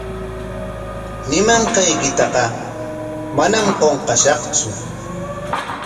Ñimanqaykitaqa manam qunqashaqtsu.